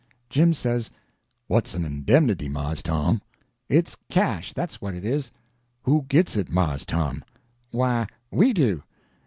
Jim says: "What's an indemnity, Mars Tom?" "It's cash, that's what it is." "Who gits it, Mars Tom?" "Why, we do."